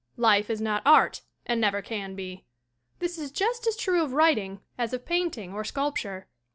Life is not art and never can be. This is just as true of writing as of painting or sculpture.